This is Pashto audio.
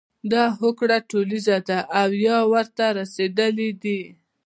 دا هوکړه ټولیزه ده او یا ورته رسیدلي دي.